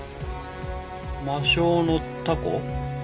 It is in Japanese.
魔性のタコ？